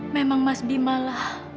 memang mas bima lah